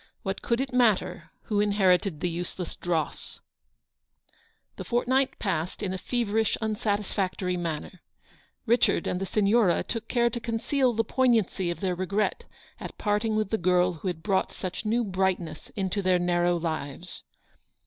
What could it matter who inherited the useless dross ? The fortnight passed in a feverish unsatisfac tory manner. Richard and the Signora took care to conceal the poignancy of their regret at parting with the girl who had brought such new bright ness into their narrow lives.